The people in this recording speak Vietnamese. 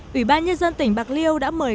ủy ban nhân dân tỉnh bạc liêu đã mời